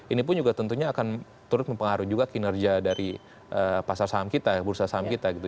ini pun juga tentunya akan turut mempengaruhi juga kinerja dari pasar saham kita ya bursa saham kita gitu